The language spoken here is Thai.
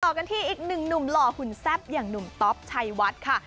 กันที่อีกหนึ่งหนุ่มหล่อหุ่นแซ่บอย่างหนุ่มต๊อปชัยวัดค่ะ